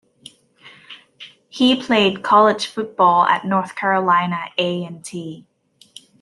He played college football at North Carolina A and T.